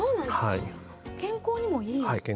はい健康にもいい。